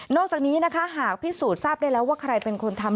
จากนี้นะคะหากพิสูจน์ทราบได้แล้วว่าใครเป็นคนทำ